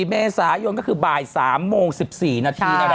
เมษายนก็คือบ่าย๓โมง๑๔นาที